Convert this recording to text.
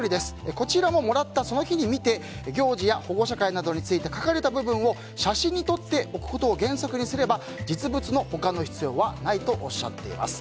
こちらももらったその日に見て行事や保護者会について書かれた部分を写真に撮っておくことを原則にすれば実物の保管の必要はないとおっしゃっています。